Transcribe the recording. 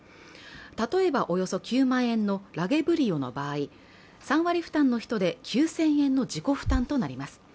例えば、およそ９万円のラゲブリオの場合３割負担の人で９０００円の自己負担となります。